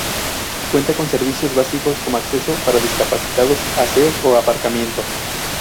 Cuenta con servicios básicos como acceso para discapacitados, aseos o aparcamiento.